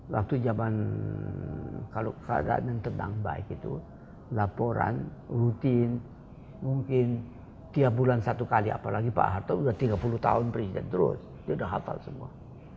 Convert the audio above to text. waktu zaman kalau keadaan yang tentang baik itu laporan rutin mungkin tiap bulan satu kali apalagi pak harto sudah tiga puluh tahun presiden terus dia udah hafal semua